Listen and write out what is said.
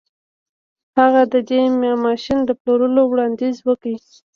هغه د دې ماشين د پلورلو وړانديز وکړ.